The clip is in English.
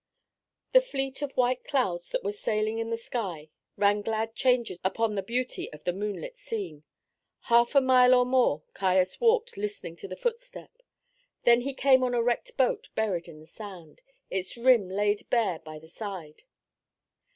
The fleet of white clouds that were sailing in the sky rang glad changes upon the beauty of the moonlit scene. Half a mile or more Caius walked listening to the footstep; then he came on a wrecked boat buried in the sand, its rim laid bare by the tide.